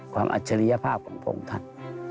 ความอัจฉริยภาพของพวกผมท่าน